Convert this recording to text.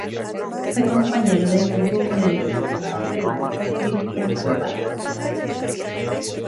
Fue compañero de equipo con el seleccionado peruano Christian Cueva.